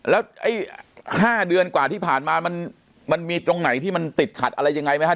แล้วไอ้๕เดือนกว่าที่ผ่านมามันมีตรงไหนที่มันติดขัดอะไรยังไงไหมครับ